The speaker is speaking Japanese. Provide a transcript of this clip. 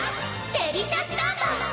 デリシャスタンバイ！